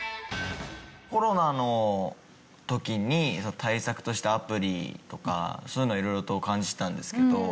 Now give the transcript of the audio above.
コロナの時に対策としたアプリとかそういうのは色々と感じたんですけど。